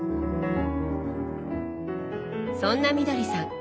そんなみどりさん